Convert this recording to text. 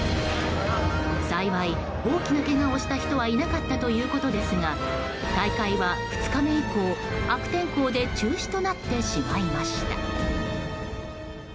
幸い大きなけがをした人はいなかったということですが大会は２日目以降、悪天候で中止となってしまいました。